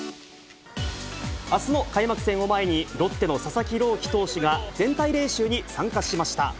あすの開幕戦を前に、ロッテの佐々木朗希投手が全体練習に参加しました。